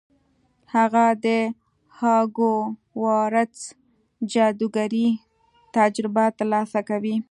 هغه د هاګوارتس جادوګرۍ تجربه ترلاسه کوي.